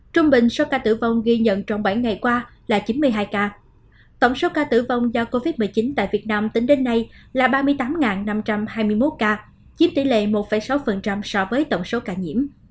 trung bình số ca tử vong ghi nhận trong bảy ngày qua là chín mươi hai ca tổng số ca tử vong do covid một mươi chín tại việt nam tính đến nay là ba mươi tám năm trăm hai mươi một ca chiếm tỷ lệ một sáu so với tổng số ca nhiễm